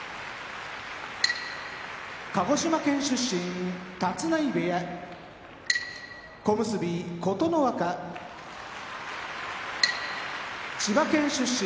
鹿児島県出身立浪部屋小結・琴ノ若千葉県出身